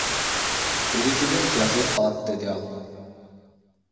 Эрежелер жазылып калат, — деди ал.